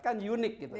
kan unik gitu